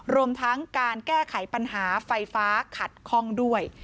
รวมทั้งการแก้ไขปัญหาไฟฟ้าขัดข้องด้วย